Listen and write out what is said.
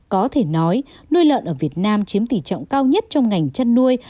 có thể nói nuôi lợn ở việt nam chiếm tỷ trọng cao nhất trong ngành chăn nuôi